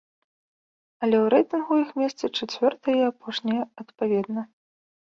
Але ў рэйтынгу іх месцы чацвёртае і апошняе адпаведна.